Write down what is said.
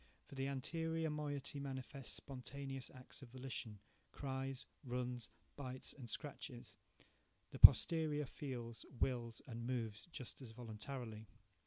For the anterior moiety manifests spontaneous acts of volition, –cries, runs, bites, and scratches; the posterior feels, wills, and moves just as voluntarily.